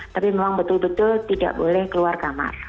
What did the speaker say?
tapi memang betul betul tidak boleh keluar kamar